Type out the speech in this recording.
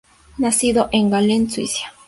Nacido en Gallen, Suiza.